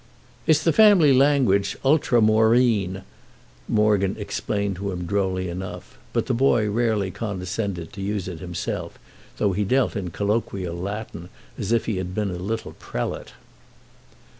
"It's the family language—Ultramoreen," Morgan explained to him drolly enough; but the boy rarely condescended to use it himself, though he dealt in colloquial Latin as if he had been a little prelate.